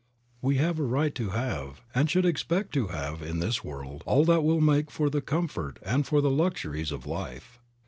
We have a right to have and should expect to have in this world all that will make for the comfort and for the luxuries of life.